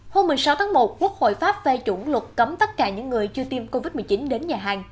hôm một mươi sáu tháng một quốc hội pháp phê chuẩn luật cấm tất cả những người chưa tiêm covid một mươi chín đến nhà hàng